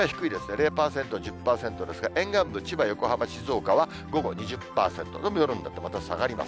０％、１０％ですが、沿岸部、千葉、横浜、静岡は午後２０％、でも夜になってまた下がります。